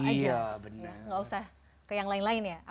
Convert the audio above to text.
nggak usah ke yang lain lain ya